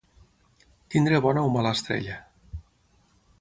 Tenir bona o mala estrella.